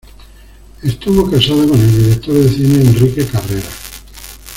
Estuvo casada con el director de cine Enrique Carreras.